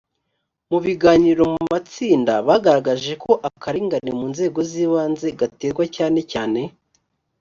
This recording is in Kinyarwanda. mu biganiro mu matsinda bagaragaje ko akarengane mu nzego z ibanze gaterwa cyane cyane